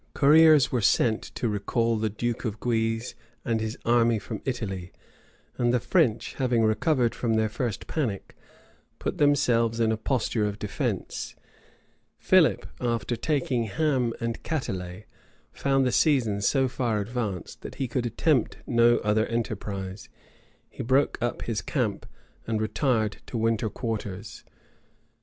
Couriers were sent to recall the duke of Guise and his army from Italy: and the French, having recovered from their first panic, put themselves in a posture of defence. Philip, after taking Ham and Catelet, found the season so far advanced, that he could attempt no other enterprise: he broke up his camp, and retired to winter quarters.